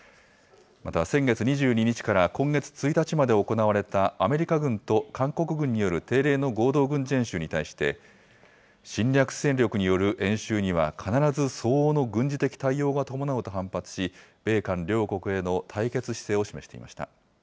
また先月２２日から今月１日まで行われた、アメリカ軍と韓国軍による定例の合同軍事演習に対して、侵略勢力による演習には、必ず相応の軍事的対応が伴うと反発し、米韓両国への対決姿勢を示していました。